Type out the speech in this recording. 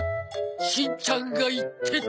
しんちゃんが言ってた！